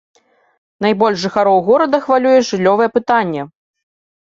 Найбольш жыхароў горада хвалюе жыллёвае пытанне.